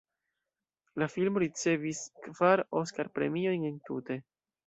La filmo ricevis kvar Oskar-premiojn entute.